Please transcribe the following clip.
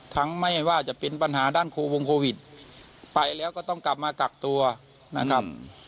ไม่ว่าจะเป็นปัญหาด้านโควงโควิดไปแล้วก็ต้องกลับมากักตัวนะครับ